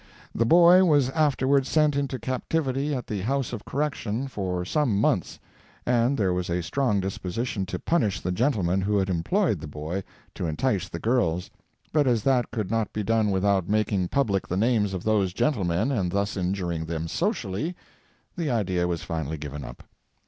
The boy was afterward sent into captivity at the House of Correction for some months, and there was a strong disposition to punish the gentlemen who had employed the boy to entice the girls, but as that could not be done without making public the names of those gentlemen and thus injuring them socially, the idea was finally given up.